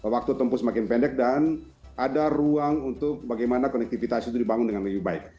waktu tempuh semakin pendek dan ada ruang untuk bagaimana konektivitas itu dibangun dengan lebih baik